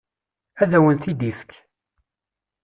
Ad awen-t-id-ifek.